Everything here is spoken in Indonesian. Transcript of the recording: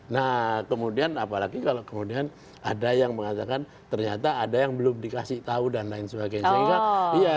nah kemudian apalagi kalau kemudian ada yang mengatakan ternyata ada yang belum dikasih tahu dan lain sebagainya